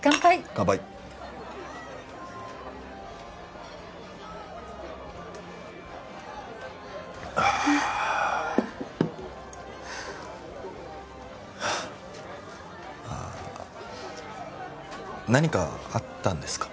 乾杯あっあああ何かあったんですか？